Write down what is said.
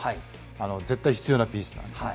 絶対必要なピースだったんですよ。